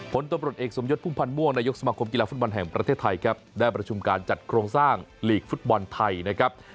ผลตำรวจเอกสมยศพุ่มพันธ์ม่วงนายกสมาคมกีฬาฟุตบอลแห่งประเทศไทยครับได้ประชุมการจัดโครงสร้างหลีกฟุตบอลไทยนะครับ